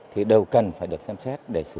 thì đều cần phải được xem xét để xử